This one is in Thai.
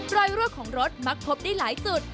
รั่วของรถมักพบได้หลายจุด